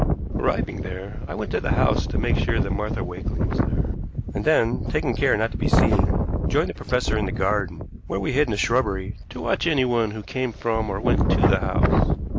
Arriving there, I went to the house to make sure that Martha Wakeling was there, and then, taking care not to be seen, joined the professor in the garden, where we hid in a shrubbery to watch anyone who came from or went to the house.